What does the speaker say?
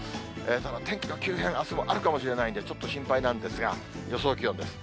天気の急変、あすもあるかもしれないんで、ちょっと心配なんですが、予想気温です。